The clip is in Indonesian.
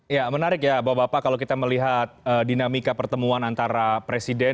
ya menarik ya bapak bapak kalau kita melihat dinamika pertemuan antara presiden